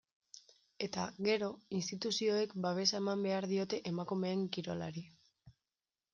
Eta, gero, instituzioek babesa eman behar diote emakumeen kirolari.